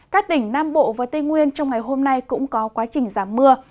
các tỉnh nam bộ và tây nguyên trong ngày hôm nay cũng có quá trình giảm mưa